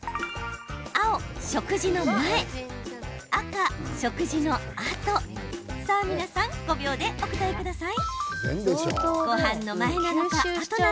青・食事の前赤・食事の後さあ皆さん５秒でお答えください。